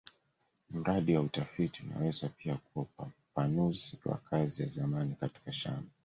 Mradi wa utafiti unaweza pia kuwa upanuzi wa kazi ya zamani katika shamba.